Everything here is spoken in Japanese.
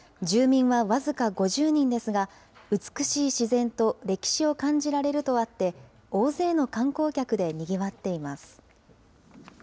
住民は僅か５０人ですが、美しい自然と歴史を感じられるとあって、大勢の観光客でにぎわっています。